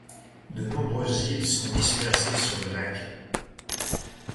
De nombreuses îles sont dispersées sur le lac.